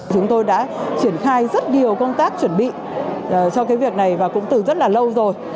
chúng tôi đã triển khai rất nhiều công tác chuẩn bị cho cái việc này và cũng từ rất là lâu rồi